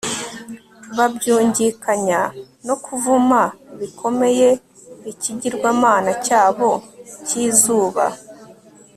babyungikanya no kuvuma bikomeye ikigirwamana cyabo cyizuba